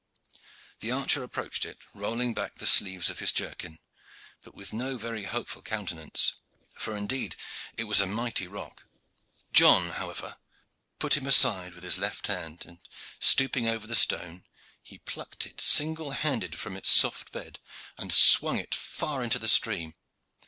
The archer approached it, rolling back the sleeves of his jerkin, but with no very hopeful countenance, for indeed it was a mighty rock. John, however, put him aside with his left hand, and, stooping over the stone, he plucked it single handed from its soft bed and swung it far into the stream.